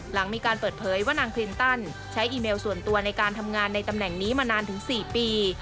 หลังมีการเปิดเผยว่านางคลินตันใช้อีเมลส่วนตัวในการทำงานในตำแหน่งนี้มานานถึง๔ปี